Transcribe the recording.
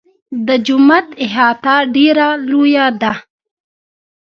د جومات احاطه ډېره لویه ده.